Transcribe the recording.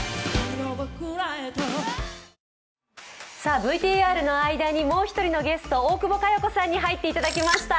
ＶＴＲの間にもう一人のゲスト大久保佳代子さんに入っていただきました。